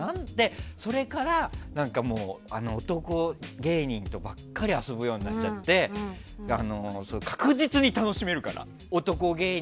それから、男芸人と遊ぶようになっちゃって確実に楽しめるから。